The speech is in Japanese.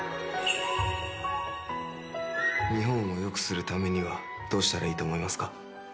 日本を良くするためにはどうしたらいいと思いますか？